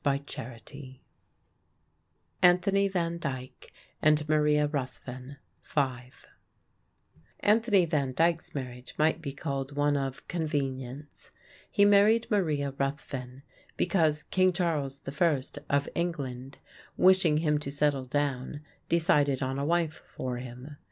BY VAN DYCK] THE WIFE IN ART Anthony Van Dyck and Maria Ruthven FIVE Anthony Van Dyck's marriage might be called one of convenience. He married Maria Ruthven because King Charles I, of England, wishing him to settle down, decided on a wife for him.